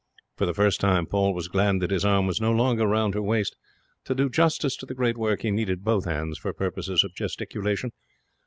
For the first time Paul was glad that his arm was no longer round her waist. To do justice to the great work he needed both hands for purposes of gesticulation.